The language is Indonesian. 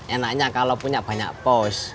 enaknya kalau punya banyak pos